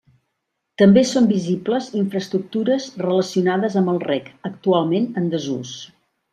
També són visibles infraestructures relacionades amb el reg, actualment en desús.